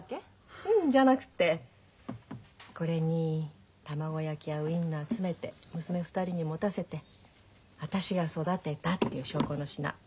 これに卵焼きやウインナー詰めて娘２人に持たせて私が育てたっていう証拠の品。